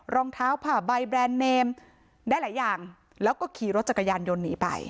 รองเท้าผ่าใบแบรนด์เนมได้หลายอย่างแล้วก็ขี่รถจักรยานยนต์หนีไป